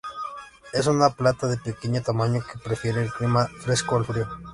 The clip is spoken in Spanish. Es una planta de pequeño tamaño, que prefiere el clima fresco al frío.